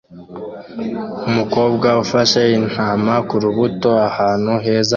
Umukobwa ufashe intama kurubuto ahantu heza cyane